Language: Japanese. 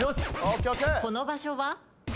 この場所は？